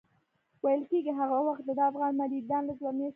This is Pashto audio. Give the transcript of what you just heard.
ویل کېږي هغه وخت دده افغان مریدان دلته مېشت وو.